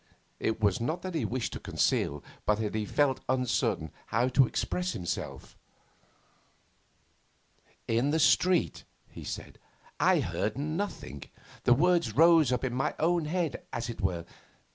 It was not that he wished to conceal, but that he felt uncertain how to express himself. 'In the street,' he said, 'I heard nothing; the words rose up in my own head, as it were.